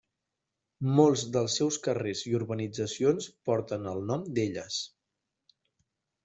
Molts dels seus carrers i urbanitzacions porten el nom d'elles.